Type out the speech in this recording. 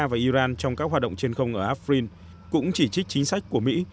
và iran trong các hoạt động trên không ở afren cũng chỉ trích chính sách của mỹ